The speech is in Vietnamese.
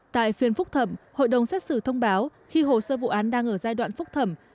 tại phiên phúc thẩm hội đồng xét xử thông báo khi hồ sơ vụ án đang ở giai đoạn phúc thẩm